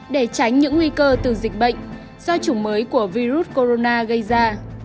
để tránh những nguy cơ từ dịch bệnh do chủng mới của virus corona gây ra